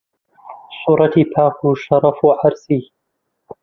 سوورەتی پاک و شەرەف و عەرزی